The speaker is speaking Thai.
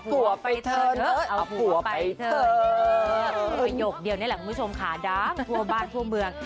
ประโยคนี้แหละคุณผู้ชมค่ะดำทั่วบ้านทั่วเมือง